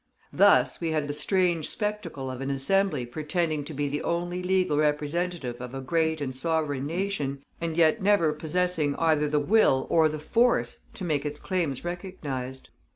Thus we had the strange spectacle of an Assembly pretending to be the only legal representative of a great and sovereign nation, and yet never possessing either the will or the force to make its claims recognized.